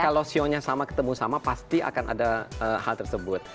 kalau sionya sama ketemu sama pasti akan ada hal tersebut